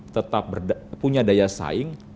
tetap punya daya saing